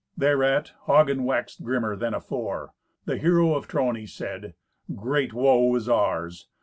Thereat Hagen waxed grimmer than afore. The hero of Trony said, "Great woe is ours.